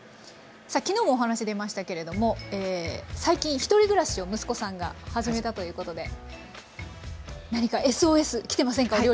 さあ昨日もお話出ましたけれども最近１人暮らしを息子さんが始めたということで何かＳＯＳ来てませんか？